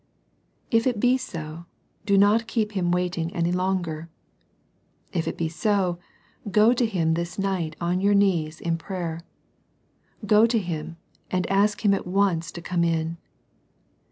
If it be so, do not keep Him waiting any longer. If it be so, go to Him this night on your knees in prayer, — ^go to Him and ask Him at once to come in.